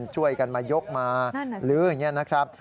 ช่วยกันมายกมาลื้ออย่างนี้นะครับ